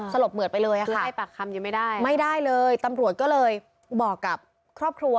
สลบเหมือนไปเลยค่ะไม่ได้เลยตำรวจก็เลยบอกกับครอบครัว